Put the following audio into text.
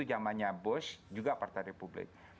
namanya bush juga partai republik